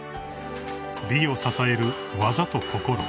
［美を支える技と心］